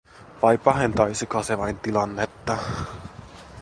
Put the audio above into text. Vai pahentaisiko se vain tilannetta?